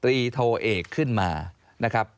รีโทเอกขึ้นมานะครับ